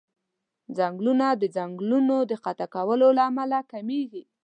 ځنګلونه د ځنګلونو د قطع کولو له امله کميږي.